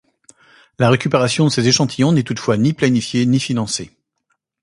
La récupération de ces échantillons n'est toutefois ni planifiée ni financée.